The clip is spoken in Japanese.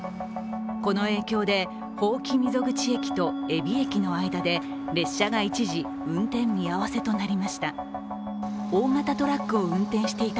この影響で伯耆溝口駅と江尾駅の間で列車が一時運転見合わせとなりました。